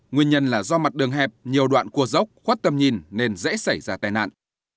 nguyên nhân là do mặt đường hẹp nhiều đoạn cua dốc khuất tầm nhìn nên dễ xảy ra tai nạn